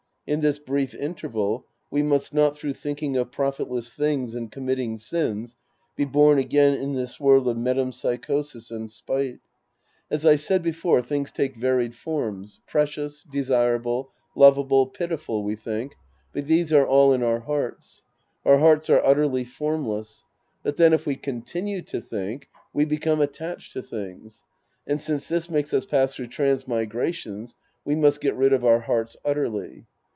In this brief interval, we must not through thinking of profit less things and committing sins, be born again in this world of metempsychosis and spite. As I said Sc. II The Priest and His Disciples 223 before, things take varied forms ; precious, desirable, lovable, pitiful, we think, but these are all in our hearts. Our hearts are utterly formless. But then if we con tinue to think, we become attached to things ; and since this makes us pass through transmigrations, we must get rid of our hearts utterly.